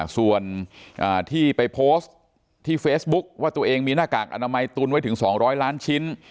ส่วนที่ไปโพสต์ที่เฟซบุ๊คว่าตัวเองมีหน้ากากอนามัยตุนไว้ถึง๒๐๐ล้านชิ้น